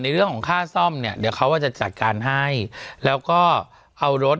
เรื่องของค่าซ่อมเนี่ยเดี๋ยวเขาก็จะจัดการให้แล้วก็เอารถ